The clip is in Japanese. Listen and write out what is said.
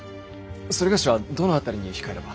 それがしはどの辺りに控えれば。